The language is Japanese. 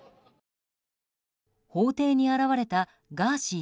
法廷に現れたガーシー